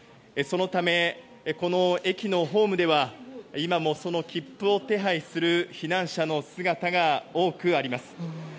そのため、この駅のホームでは今もその切符を手配する避難者の姿が多くあります。